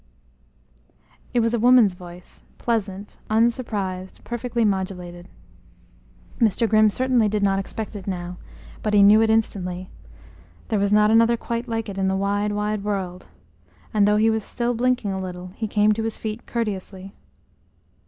It was a woman's voice, pleasant, unsurprised, perfectly modulated. Mr. Grimm certainly did not expect it now, but he knew it instantly there was not another quite like it in the wide, wide world and though he was still blinking a little, he came to his feet courteously.